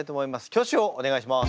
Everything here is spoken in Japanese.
挙手をお願いします。